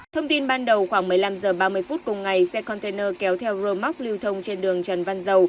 thông tin ban đầu khoảng một mươi năm h ba mươi cùng ngày xe container kéo theo roadmark lưu thông trên đường trần văn dầu